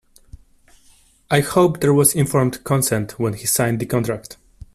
I hope there was informed consent when he signed the contract.